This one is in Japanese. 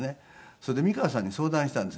それで美川さんに相談したんです